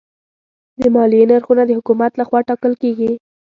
د مالیې نرخونه د حکومت لخوا ټاکل کېږي.